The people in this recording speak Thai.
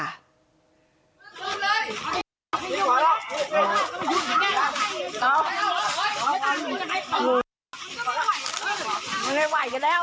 มันก็ไม่ไหวกันแล้วมันก็ไม่ไหวกันแล้วมันก็ไม่ไหวกันแล้ว